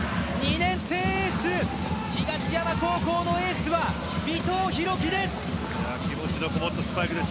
年生エース東山高校のエースは尾藤大輝です。